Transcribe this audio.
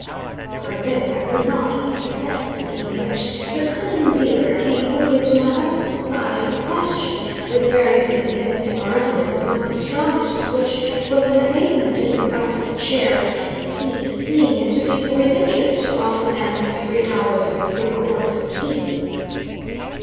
From this I could not but dissent, seeing which, the cunning dealer came quickly to my husband's side of the question with various convincing arguments, among the strongest of which was an abatement in the price of the chairs he seeing it to be for his interest to offer them for three dollars and three quarters a piece.